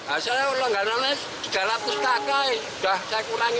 asalnya ulang ulangnya tiga ratus kakai udah saya kurangi lima puluh